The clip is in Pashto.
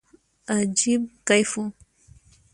عجيب کيف وو.